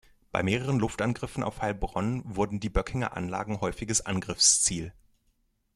Bei mehreren Luftangriffen auf Heilbronn wurden die Böckinger Anlagen häufiges Angriffsziel.